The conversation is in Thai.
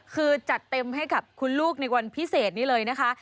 คือจัดเต็มให้กับคุณลูกในวันพิเศษนี้เลยนะคะ